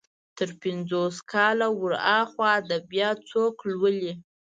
تر پنځوس کاله ور اخوا ادبيات څوک نه لولي.